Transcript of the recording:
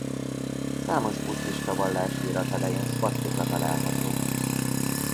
Számos buddhista vallási irat elején szvasztika található.